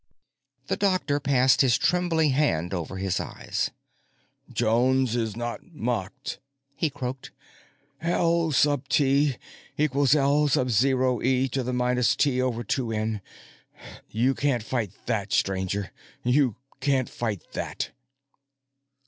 The doctor passed his trembling hand over his eyes. "Jones is not mocked," he croaked. "L sub T equals L sub zero e to the minus T over two N. You can't fight that, stranger. You can't fight that."